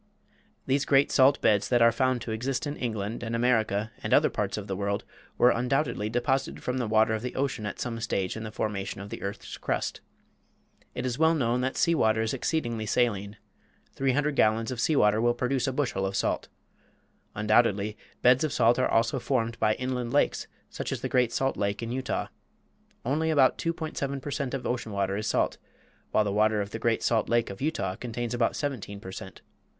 These great salt beds that are found to exist in England and America and other parts of the world were undoubtedly deposited from the water of the ocean at some stage in the formation of the earth's crust. It is well known that sea water is exceedingly saline; 300 gallons of sea water will produce a bushel of salt. Undoubtedly beds of salt are also formed by inland lakes, such as the Great Salt Lake in Utah. Only about 2.7 per cent. of ocean water is salt, while the water of the Great Salt Lake of Utah contains about 17 per cent.